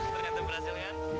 berkata berhasil kan